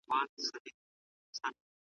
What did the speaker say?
زه په لحد کي جنډۍ به ناڅي .